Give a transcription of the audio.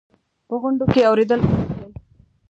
په غونډو کې اورېدل ادب دی.